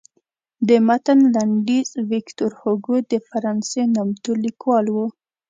د متن لنډیز ویکتور هوګو د فرانسې نامتو لیکوال و.